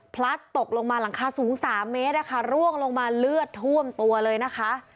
พลัดตกลงมาหลังคาสูง๓เมตรนะคะร่วงลงมาเลือดท่วมตัวเลยนะคะ